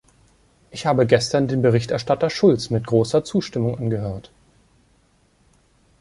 Ich habe gestern den Berichterstatter Schulz mit großer Zustimmung angehört.